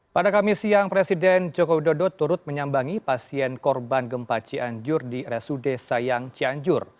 pada kamis siang presiden joko widodo turut menyambangi pasien korban gempa cianjur di resude sayang cianjur